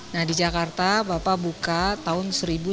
nah di jakarta bapak buka tahun seribu sembilan ratus enam puluh enam